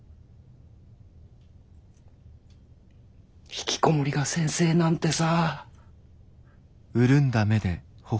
ひきこもりが先生なんてさ。